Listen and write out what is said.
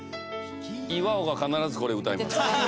岩尾が必ずこれ歌います。